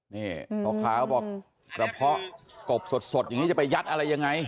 นี่พ่อค้าบอกกระเพาะกบสดอย่างนี้จะไปยัดอะไรยังไง